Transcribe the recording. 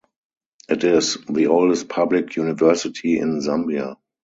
It is the oldest public university in Zambia.